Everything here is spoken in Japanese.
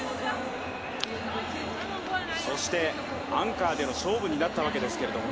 そしてアンカーでの勝負になったわけですけれど。